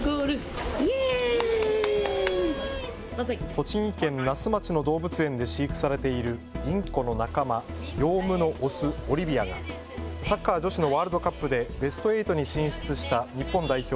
栃木県那須町の動物園で飼育されているインコの仲間、ヨウムの雄、オリビアがサッカー女子のワールドカップでベスト８に進出した日本代表